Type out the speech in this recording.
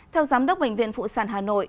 theo giám đốc bệnh viện phụ sản hà nội